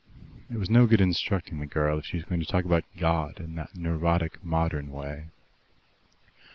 It was no good instructing the girl if she was going to talk about God in that neurotic modern way.